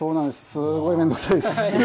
すごい面倒くさいです。